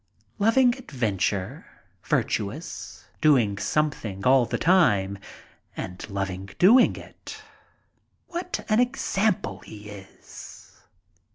Loving adventure, virtuous, doing something all the time, and loving the doing. What an example he is!